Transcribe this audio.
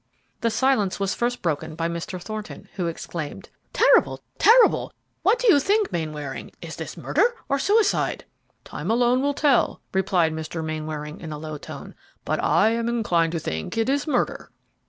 The silence was first broken by Mr. Thornton, who exclaimed, "Terrible! Terrible! What do you think, Mainwaring? is this murder or suicide?" "Time alone will tell," replied Mr. Mainwaring in a low tone; "but I am inclined to think it is murder."